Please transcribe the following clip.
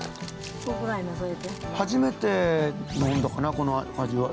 初めて飲んだかな、この感じは。